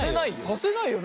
させないよ。